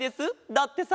だってさ。